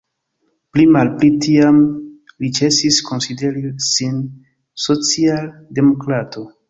Pli malpli tiam li ĉesis konsideri sin social-demokrato.